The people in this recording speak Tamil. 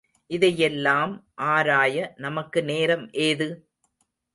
இதையெல்லாம் ஆராய நமக்கு நேரம் ஏது?